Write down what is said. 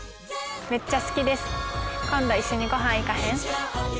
めっちゃ好きです今度一緒にごはん行かへん？